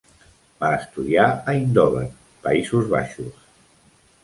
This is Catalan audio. Va estudiar a Eindhoven, Països Baixos.